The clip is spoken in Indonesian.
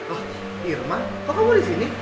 oh irma kok kamu disini